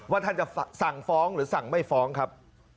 ท่านจะสั่งฟ้องหรือสั่งไม่ฟ้องครับ